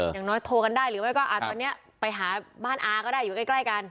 อย่างน้อยโทรกันได้หรือไม่ก็ตอนนี้ไปหาบ้านอาก็ได้อยู่ใกล้กัน